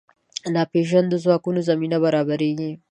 د ناپېژاندو ځواکونو زمینه برابرېږي.